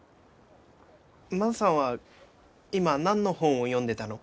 万さんは今何の本を読んでたの？